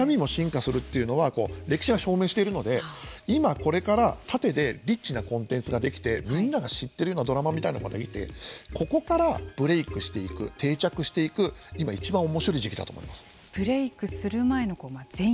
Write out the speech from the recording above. メディアの進化に合わせて中身も進化するというのは歴史が証明しているので今、これから縦でリッチなコンテンツができてみんなが知っているようなドラマみたいなものができてここからブレークしていく定着していく今、いちばんおもしろい時期だと思います。